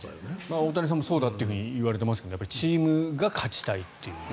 大谷さんもそうだといわれていますがチームが勝ちたいっていう。